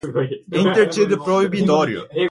Interdito Proibitório